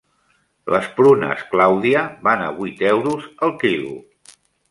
Les prunes clàudia van a vuit euros el quilo.